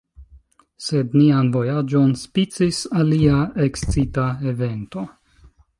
Sed nian vojaĝon spicis alia ekscita evento.